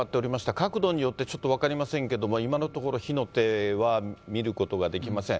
角度によってちょっと分かりませんけども、今のところ、火の手は見ることができません。